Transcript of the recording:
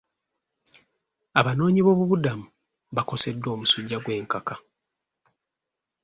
Abanoonyiboobubudamu bakoseddwa omusujja gw'enkaka.